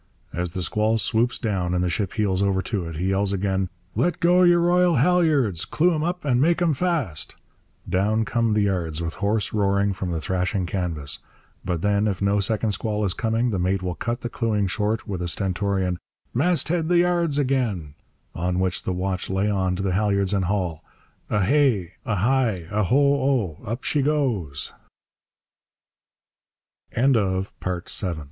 As the squall swoops down and the ship heels over to it he yells again, 'Let go your royal halliards, clew 'em up and make 'em fast!' Down come the yards, with hoarse roaring from the thrashing canvas. But then, if no second squall is coming, the mate will cut the clewing short with a stentorian 'Masthead the yards again!' on which the watch lay on to the halliards and haul Ahay! Aheigh! Aho oh!